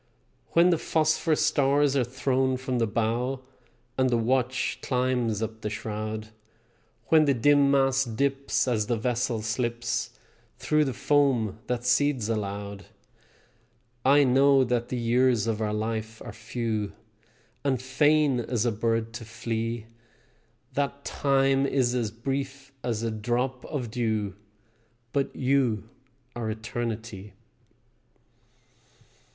When the phosphor stars are thrown from the bow And the watch climbs up the shroud; When the dim mast dips as the vessel slips Thro the foam that seethes aloud; I know that the years of our life are few, And fain as a bird to flee, That time is as brief as a drop of dew But you are Eternity.